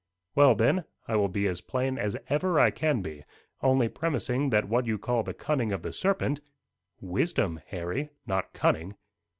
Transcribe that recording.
"Well, then, I will be as plain as ever I can be, only premising that what you call the cunning of the serpent " "Wisdom, Harry, not cunning."